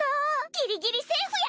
ギリギリセーフや！